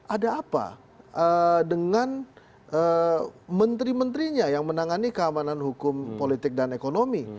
ada apa dengan menteri menterinya yang menangani keamanan hukum politik dan ekonomi